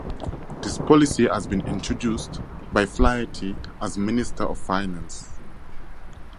This policy had been introduced by Flaherty as Minister of Finance.